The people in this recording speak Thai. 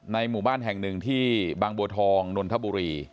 หมู่บ้านแห่งหนึ่งที่บางบัวทองนนทบุรี